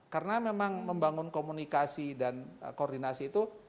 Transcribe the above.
karena memang membangun komunikasi dan koordinasi itu